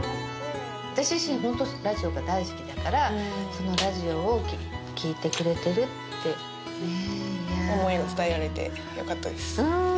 私自身ホントラジオが大好きだからそのラジオを聴いてくれてるってねぇ思いを伝えられてよかったですうん